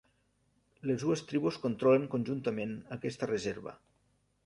Les dues tribus controlen conjuntament aquesta reserva.